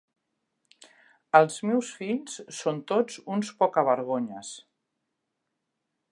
Els meus fills són tots uns pocavergonyes.